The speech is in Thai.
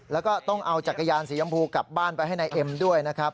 แล้วก็ต้องเอาจักรยานสียำพูกลับบ้านไปให้นายเอ็มด้วยนะครับ